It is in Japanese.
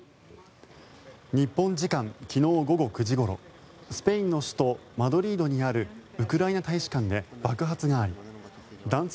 日本時間昨日午後９時ごろスペインの首都マドリードにあるウクライナ大使館で爆発があり男性